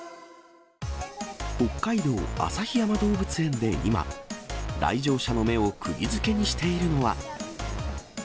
北海道、旭山動物園で今、来場者の目をくぎづけにしているのは。